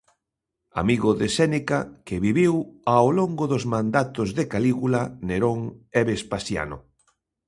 Amigo de Séneca que viviu ao longo dos mandatos de Calígula, Nerón e Vespasiano.